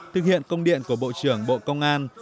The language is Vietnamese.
thực hiện công điện của bộ trưởng bộ công an